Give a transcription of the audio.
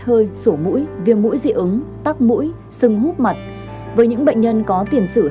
ở trong phòng